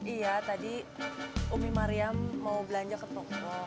iya tadi umi mariam mau belanja ke toko